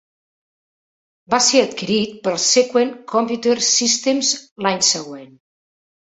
Va ser adquirit per Sequent Computer Systems l'any següent.